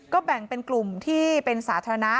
ก็แบ่งเป็นกลุ่มที่เป็นสาธารณะ